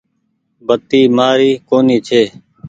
بتي مآري ڪونيٚ ڇي۔